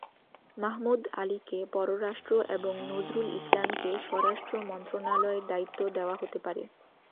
মাহমুদ আলীকে পররাষ্ট্র এবং নজরুল ইসলামকে স্বরাষ্ট্র মন্ত্রণালয়ের দায়িত্ব দেওয়া হতে পারে।